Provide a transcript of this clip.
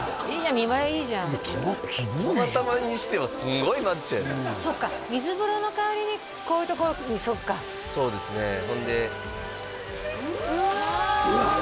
見栄えいいじゃんいやすごいじゃんたまたまにしてはすんごいマッチョそっか水風呂の代わりにこういうところにそっかそうですねほんでうわ！